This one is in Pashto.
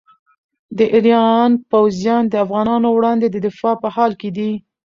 د ایران پوځیان د افغانانو وړاندې د دفاع په حال کې دي.